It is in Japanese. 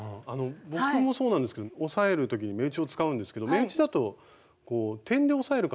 僕もそうなんですけど押さえる時に目打ちを使うんですけど目打ちだと点で押さえるからってことなんですか？